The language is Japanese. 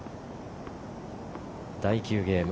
第９ゲーム